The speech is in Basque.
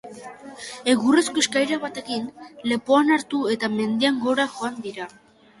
Egurrezko eskailera bat egin, lepoan hartu eta mendian gora joan dira.